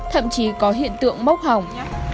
thậm chí có hiện tượng mốc hỏng